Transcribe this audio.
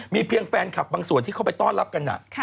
มีเพียงแฟนคลับบางส่วนที่เขาไปต้อนรับกัน